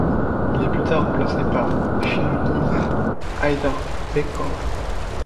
Il est plus tard remplacé par Chingiz Aidarbekov.